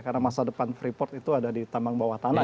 karena masa depan freeport itu ada di tambang bawah tanah ya